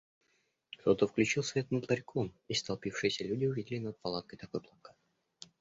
Кто-то включил свет над ларьком, и столпившиеся люди увидели над палаткой такой плакат: